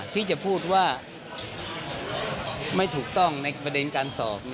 ที่จะพูดว่าไม่ถูกต้องในประเด็นการสอบ